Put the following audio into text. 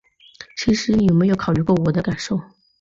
其实你有没有考虑过我的感受？